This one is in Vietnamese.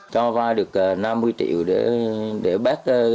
cho vai được năm mươi triệu